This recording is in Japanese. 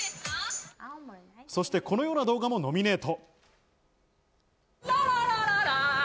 そして、このような動画もノミネート。